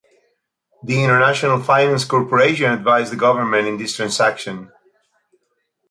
The International Finance Corporation advised the government in this transaction.